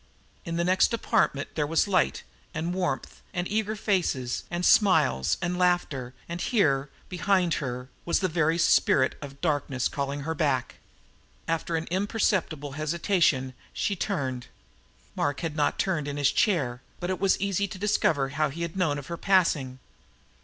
In the next apartment were light and warmth and eager faces and smiles and laughter, and here, behind her, was the very spirit of darkness calling her back. After an imperceptible hesitation she turned. Mark had not turned in his chair, but it was easy to discover how he had known of her passing.